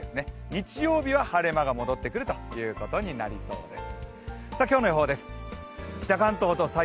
日曜日は晴れ間が戻ってくるということになりそうです。